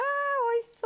わあおいしそう！